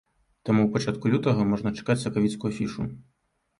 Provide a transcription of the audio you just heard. Таму ў пачатку лютага можна чакаць сакавіцкую афішу.